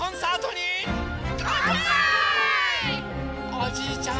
おじいちゃん